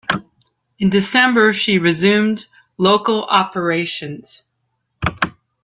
In December, she resumed local operations.